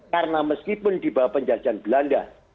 karena meskipun di bawah penjajahan belanda